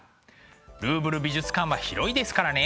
ルーブル美術館は広いですからね。